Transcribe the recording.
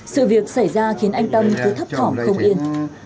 sự việc xảy ra khiến anh tâm cứ thấp thỏm không yên